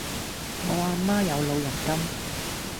我阿媽有老人金